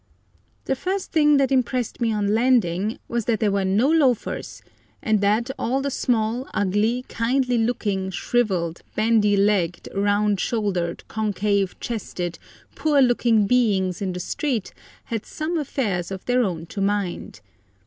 The first thing that impressed me on landing was that there were no loafers, and that all the small, ugly, kindly looking, shrivelled, bandy legged, round shouldered, concave chested, poor looking beings in the streets had some affairs of their own to mind.